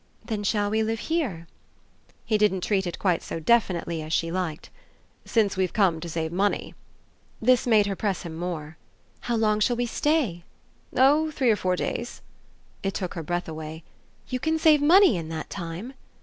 "Then we shall live here?" He didn't treat it quite so definitely as she liked. "Since we've come to save money!" This made her press him more. "How long shall we stay?" "Oh three or four days." It took her breath away. "You can save money in that time?"